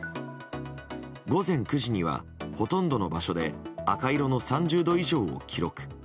午前９時には、ほとんどの場所で赤色の３０度以上を記録。